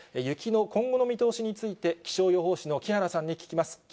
雪の今後の見通しについて、気象予報士の木原さんに聞きます。